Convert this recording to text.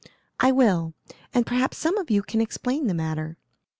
"I will; and perhaps some of you can explain the matter."